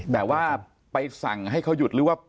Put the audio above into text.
แบบว่าไปสั่งให้เขาหยุดหรือว่า